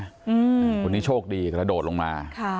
คนนี้โชคดีกระโดดลงมา